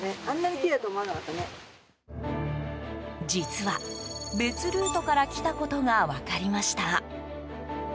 実は、別ルートから来たことが分かりました。